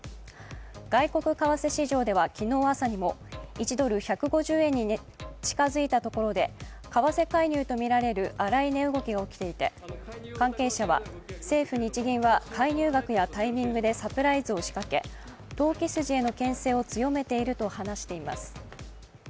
外国為替市場では昨日朝にも１ドル＝１５０円に近づいたところで為替介入とみられる荒い値動きが起きていて関係者は政府・日銀は介入額やタイミングでサプライズを仕掛け、投機筋へのけん制を強めていると話しています。